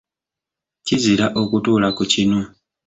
Kizira okutuula ku kinu.